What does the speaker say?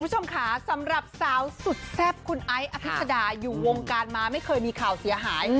คุณผู้ชมค่ะสำหรับสาวสุดแซ่บคุณไอ้อภิษดาอยู่วงการมาไม่เคยมีข่าวเสียหาย